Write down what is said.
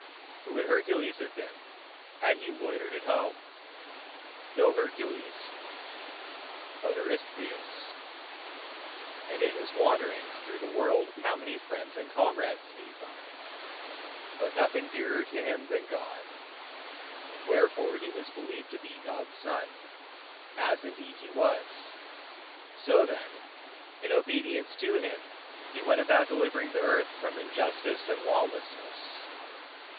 ..." Who would Hercules have been had he loitered at home? no Hercules, but Eurystheus. And in his wanderings through the world how many friends and comrades did he find? but nothing dearer to him than God. Wherefore he was believed to be God's son, as indeed he was. So then in obedience to Him, he went about delivering the earth from injustice and lawlessness.